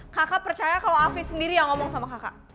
kakak percaya kalau afi sendiri yang ngomong sama kakak